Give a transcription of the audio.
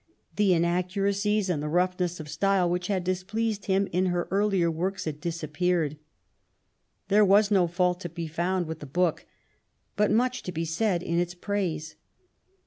The inaccuracies and the roughness of style which had displeased him in her earlier works had dis appeared. There was no fault to be found with the book, but much to be said in its praise.